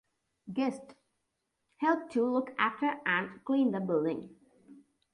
Guests help to look after and clean the building.